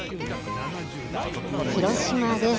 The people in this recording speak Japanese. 広島です。